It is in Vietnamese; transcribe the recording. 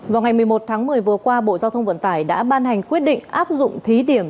vào ngày một mươi một tháng một mươi vừa qua bộ giao thông vận tải đã ban hành quyết định áp dụng thí điểm